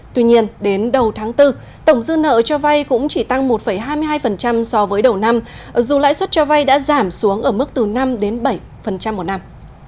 tuy nhiên đến đầu tháng bốn tổng dư nợ cho vay cũng chỉ tăng một hai mươi hai so với đầu năm dù lãi suất cho vay đã giảm xuống ở mức từ năm bảy một năm